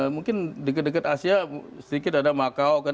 mungkin dekat dekat asia sedikit ada makao kan